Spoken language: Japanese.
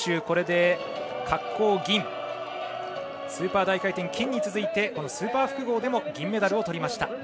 これで滑降、銀スーパー大回転、金に続いてこのスーパー複合でも銀メダルをとりました。